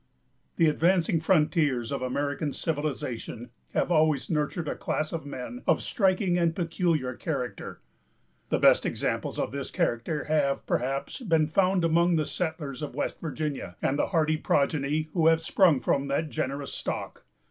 The advancing frontiers of American civilization have always nurtured a class of men of striking and peculiar character. The best examples of this character have, perhaps, been found among the settlers of Western Virginia, and the hardy progeny who have sprung from that generous stock.